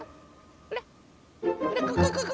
ほらここここ。